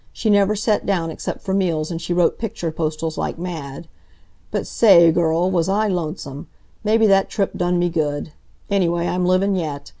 She never set down except for meals, and she wrote picture postals like mad. But sa a ay, girl, was I lonesome! Maybe that trip done me good. Anyway, I'm livin' yet.